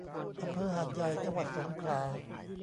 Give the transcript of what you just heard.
อำเภอหาดใหญ่ จังหวัดสงขลา